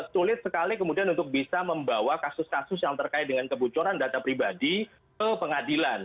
sulit sekali kemudian untuk bisa membawa kasus kasus yang terkait dengan kebocoran data pribadi ke pengadilan